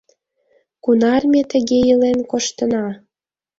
Кунар ме тыге илен коштына?